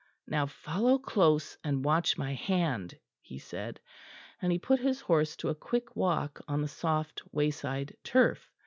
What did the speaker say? "Now follow close; and watch my hand," he said; and he put his horse to a quick walk on the soft wayside turf.